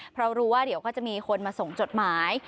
เพราะรู้ว่าเดี๋ยวก็จะมีคนมาส่งจดหมาย